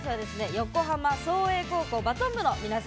横浜創英高校バトン部の皆さんでした。